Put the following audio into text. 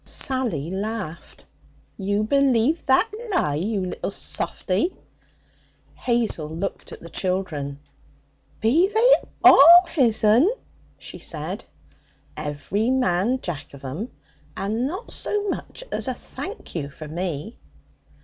Sally laughed. 'You believed that lie? You little softie!' Hazel looked at the children. 'Be they all his'n?' she said. 'Every man jack of 'em, and not so much as a thank you for me!'